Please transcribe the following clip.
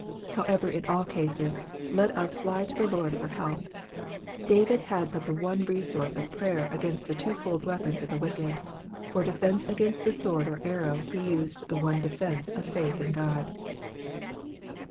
However, in all cases, let us fly to the Lord for help. David had but the one resource of prayer against the twofold weapons of the wicked, for defencd against sword or arrow ho used the one defence of faith iu God.